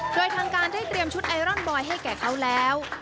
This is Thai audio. โดยทางการได้เตรียมชุดไอรอนบอยให้แก่เขาแล้ว